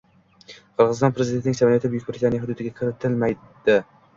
Qirg‘iziston prezidentining samolyoti Buyuk Britaniya hududiga kiritilmading